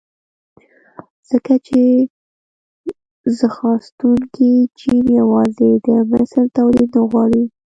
ځکه چې ځانغوښتونکی جېن يوازې د مثل توليد نه غواړي.